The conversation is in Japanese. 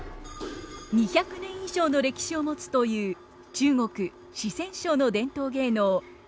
２００年以上の歴史を持つという中国・四川省の伝統芸能「川劇」の秘伝の技です。